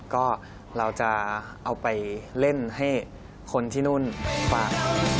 ก็เราจะเอาไปเล่นให้คนที่นู่นฟัง